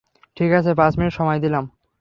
ঠিক আছে, পাঁচ মিনিট সময় দিলাম।